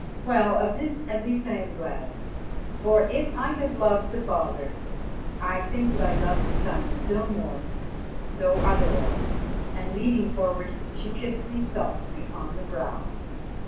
Well, of this at least I am glad, for if I have loved the father, I think that I love the son still more, though otherwise." And, leaning forward, she kissed me solemnly upon the brow.